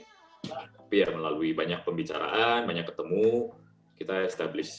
tapi ya melalui banyak pembicaraan banyak ketemu kita established